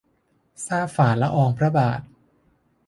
ทราบฝ่าละอองพระบาท